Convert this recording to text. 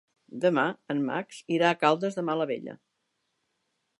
Demà en Max irà a Caldes de Malavella.